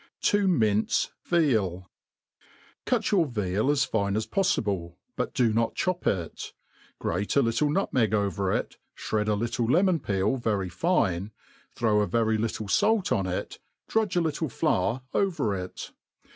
To mince VeaU CUT your veal as fine as poffible, but do not chop it : grate ^ little nutmeg over it, fhred a little lemon peel very fine, throw a very little fait on it, drudge a little flour over it.